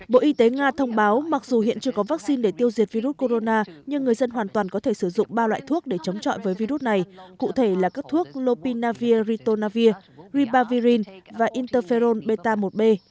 bộ y tế nga thông báo mặc dù hiện chưa có vaccine để tiêu diệt virus corona nhưng người dân hoàn toàn có thể sử dụng ba loại thuốc để chống chọi với virus này cụ thể là các thuốc lopinavir ritonavir ribavirin và interferol peta một b